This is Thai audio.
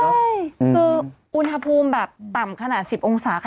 ใช่คืออุณหภูมิแบบต่ำขนาด๑๐องศาค่ะ